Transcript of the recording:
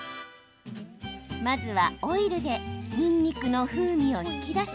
まずはオイルでにんにくの風味を引き出し